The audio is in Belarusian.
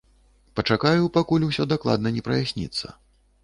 Пачакаю, пакуль усё дакладна не праясніцца.